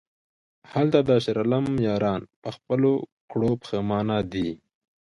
هلته د شیرعالم یاران په خپلو کړو پښیمانه دي...